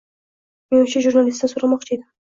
Men o'sha jurnalistdan so'ramoqchi edim